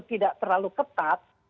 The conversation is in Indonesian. tidak terlalu ketat